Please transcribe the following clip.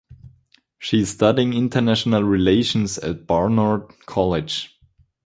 She is studying international relations at Barnard College.